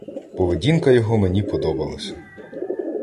Поведінка його мені подобалася.